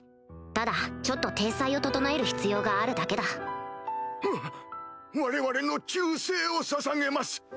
ただちょっと体裁を整える必要があるだけだわ我々の忠誠をささげます！